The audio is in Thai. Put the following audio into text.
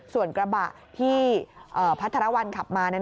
ส่วนกระบะที่พัทธารวัลขับมานั้น